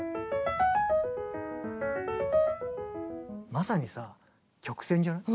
まさにさ曲線じゃん。